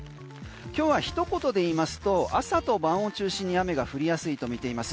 今日は一言で言いますと朝と晩を中心に雨が降りやすいとみています。